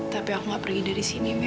tapi aku gak pergi dari sini